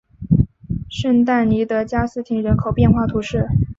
圣但尼德加斯廷人口变化图示